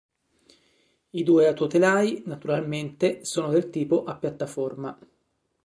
I due autotelai, naturalmente, sono del tipo a piattaforma.